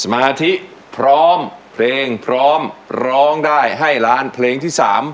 มาที่พร้อมเพลงพร้อมร้องได้ให้ล้านเพลงที่๓